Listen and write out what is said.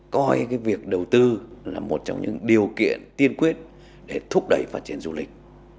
coi cái việc đầu tư là một trong những điều kiện tiên quyết để thúc đẩy phát triển du lịch